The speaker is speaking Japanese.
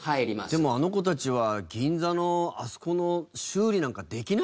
でもあの子たちは銀座のあそこの修理なんかできないよね？